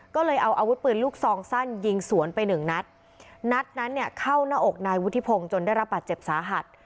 ก็เลยเอาอาวุธปืนลูกซองสั้นยิงสวนไปหนึ่งนัดนัดนั้นเนี่ยเข้าหน้าอกนายวุฒิพงศ์จนได้รับบาดเจ็บสาหัส